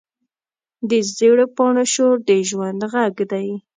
د زېړ پاڼو شور د ژوند غږ دی